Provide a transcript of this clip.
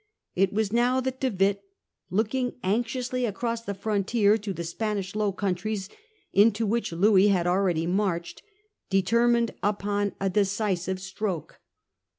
It was now that De Witt, looking anxiously across the frontier to the Spanish Low Countries, into which Louis had already marched, determined upon a decisive stroke.